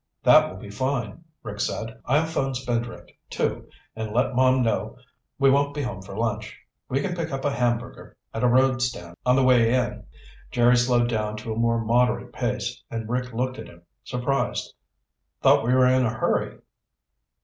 "That will be fine," Rick said. "I'll phone Spindrift, too, and let Mom know we won't be home for lunch. We can pick up a hamburger at a roadstand on the way in." Jerry slowed down to a more moderate pace and Rick looked at him, surprised. "Thought we were in a hurry."